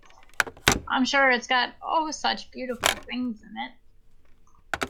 I’m sure it’s got, oh, such beautiful things in it!